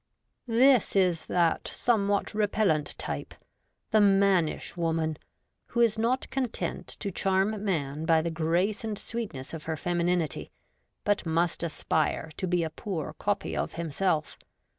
This is that somewhat repellent type, the mannish woman, who is not content to charm man by the grace and sweetness of her femininity, but must aspire to be a poor copy of himself.